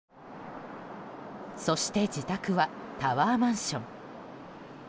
そして自宅はタワーマンション。